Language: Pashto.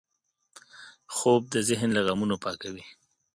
خوب د ذهن له غمونو پاکوي